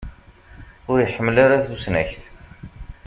Ur iḥemmel ara tusnakt.